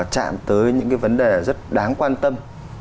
chạm tới những cái vấn đề rất đáng quan tâm